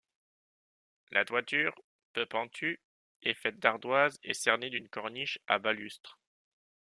La toiture, peu pentue, est faite d'ardoise et cernée d'une corniche à balustres.